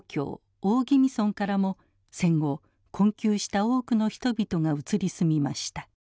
大宜味村からも戦後困窮した多くの人々が移り住みました。